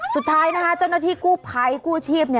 สุดท้ายนะคะเจ้าหน้าที่กู้ภัยกู้ชีพ